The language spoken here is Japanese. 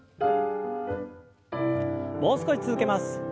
もう少し続けます。